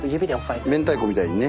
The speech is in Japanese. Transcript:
明太子みたいにね。